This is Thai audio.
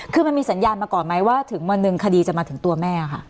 คือมันมีสัญญาณมาก่อนไหมว่าถึงวันหนึ่งคดีจะมาถึงตัวแม่ค่ะ